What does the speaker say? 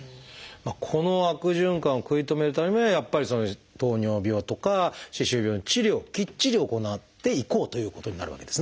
この悪循環を食い止めるためにはやっぱり糖尿病とか歯周病の治療をきっちり行っていこうということになるわけですね。